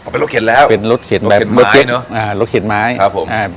เป็นรถเข็นแล้วเป็นรถเข็นไม้เป็นเมื่อกี้เนอะอ่ารถเข็นไม้ครับผมอ่า